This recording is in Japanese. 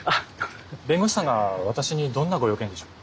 弁護士さんが私にどんなご用件でしょう？